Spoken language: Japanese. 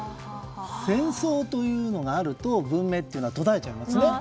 戦争というのがあると文明というのは途絶えちゃいますね。